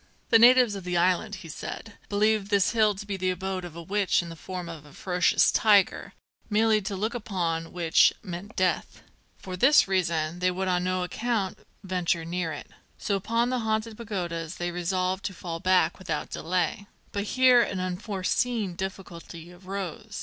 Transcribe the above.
The natives of the island, he said, believed this hill to be the abode of a witch in the form of a ferocious tiger, merely to look upon which meant death. For this reason they would on no account venture near it. So upon the Haunted Pagodas they resolved to fall back without delay. But here an unforeseen difficulty arose.